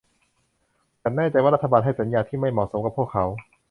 ฉันแน่ใจว่ารัฐบาลให้สัญญาที่ไม่เหมาะสมกับพวกเขา